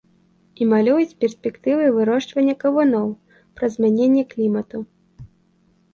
І малююць перспектывы вырошчвання кавуноў, праз змяненне клімату.